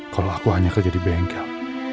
kalau aku hanya kerja di bengkel